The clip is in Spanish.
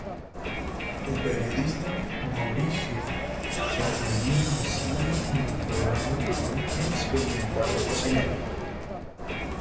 El periodista Mauricio Fernandini recibe en el programa a un experimentado cocinero.